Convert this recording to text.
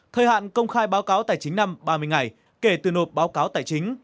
thời hạn công khai báo cáo tài chính năm ba mươi ngày kể từ nộp báo cáo tài chính